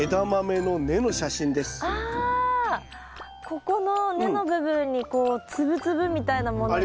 ここの根の部分にこうつぶつぶみたいなものが。